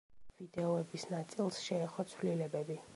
ვიდეოების ნაწილს შეეხო ცვლილებები.